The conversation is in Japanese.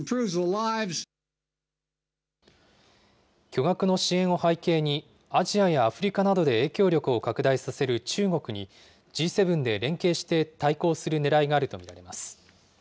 巨額の支援を背景に、アジアやアフリカなどで影響力を拡大させる中国にＧ７で連携して対抗するねらいがあると見られます。